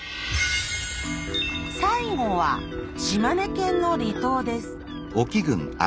最後は島根県の離島です。